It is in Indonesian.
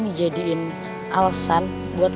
dijadikan alasan buat